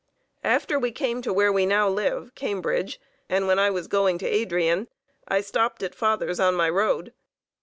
After we came to where we now live (Cambridge), and when I was going to Adrian, I stopped at father's on my road.